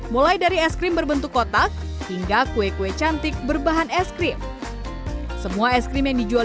mulai dari es krim berbentuk kotak hingga kue kue cantik berbahan es krim semua es krim yang dijual